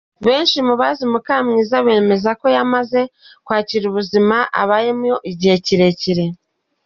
Benshi mu bazi Mukamwiza bemeza ko yamaze kwakira ubuzima abayemo igihe kirekire.